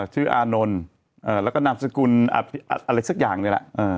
ชื่ออานนท์แล้วก็นามสกุลอะไรสักอย่างด้วยล่ะ